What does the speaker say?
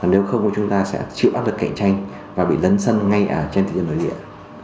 nếu không thì chúng ta sẽ chịu áp lực cạnh tranh và bị lấn sân ngay ở trên thị trường nổi địa